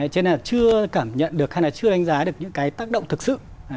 cho nên là chưa cảm nhận được hay là chưa đánh giá được những cái tác động thực sự